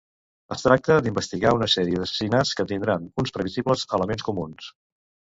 Es tracta d'investigar una sèrie d'assassinats que tindran uns previsibles elements comuns.